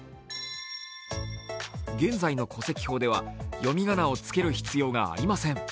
現在の戸籍法では、読み仮名をつける必要がありません。